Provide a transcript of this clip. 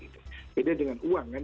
beda dengan uang kan